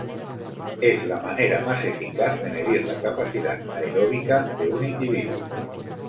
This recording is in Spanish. Es la manera más eficaz de medir la capacidad aeróbica de un individuo.